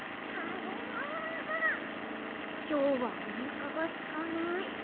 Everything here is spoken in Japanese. きょうはおなかがすかない。